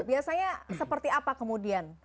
biasanya seperti apa kemudian